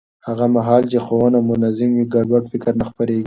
هغه مهال چې ښوونه منظم وي، ګډوډ فکر نه خپرېږي.